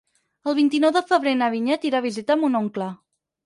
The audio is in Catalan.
El vint-i-nou de febrer na Vinyet irà a visitar mon oncle.